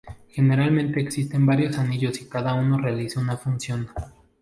Generalmente existen varios anillos y cada uno realiza una función.